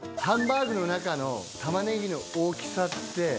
ハンバーグの中のタマネギの大きさって。